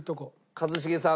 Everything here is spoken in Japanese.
一茂さん。